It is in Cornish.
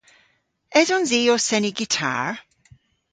Esons i ow seni gitar?